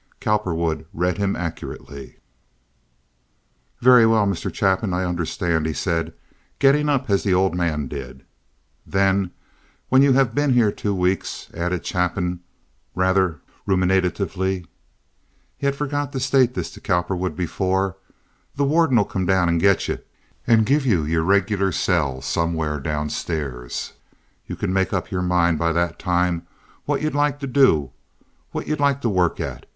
Cowperwood read him accurately. "Very well, Mr. Chapin; I understand," he said, getting up as the old man did. "Then when you have been here two weeks," added Chapin, rather ruminatively (he had forgot to state this to Cowperwood before), "the warden 'll come and git yuh and give yuh yer regular cell summers down stairs. Yuh kin make up yer mind by that time what y'u'd like tuh do, what y'u'd like to work at.